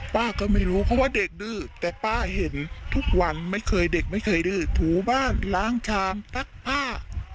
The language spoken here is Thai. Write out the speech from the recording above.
ป้าก็ไม่รู้เพราะว่าเด็กดื้อแต่ป้าเห็นทุกวันไม่เคยเด็กไม่เคยดื้อถูบ้านล้างชามซักผ้า